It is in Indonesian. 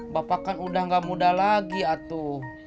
bapak kan udah gak muda lagi atuh